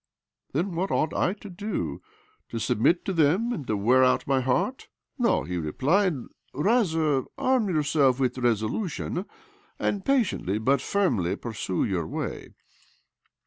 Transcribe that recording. "Then what ought I to do? To submit to them, and to wear out my heart ?"" No," he replied. " Rather, arm yourself with resolution, and patiently, but firmly, pursue your way."